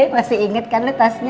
masih inget kan lo tosnya